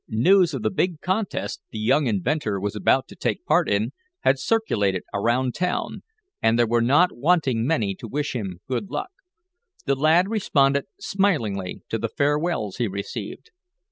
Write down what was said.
News of the big contest the young inventor was about to take part in, had circulated around town, and there were not wanting many to wish him good luck. The lad responded smilingly to the farewells he received.